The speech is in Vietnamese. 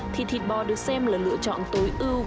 thì thịt bò được xem là lựa chọn tối ưu